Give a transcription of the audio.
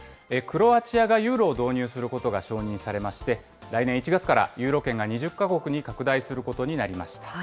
クロアチアがユーロを導入することが承認されまして、来年１月からユーロ圏が２０か国に拡大することになりました。